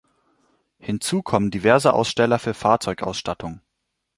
Hinzu kommen diverse Aussteller für Fahrzeug-Ausstattung.